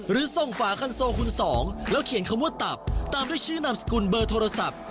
หรือส่งฝาคันโซคุณสองแล้วเขียนคำว่าตับตามด้วยชื่อนามสกุลเบอร์โทรศัพท์